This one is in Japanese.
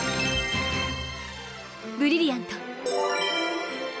ブリリアント！